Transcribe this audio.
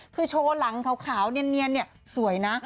คือโชว์หลังแค่วเนียนสวยนะ